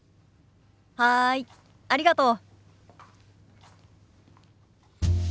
はいありがとう。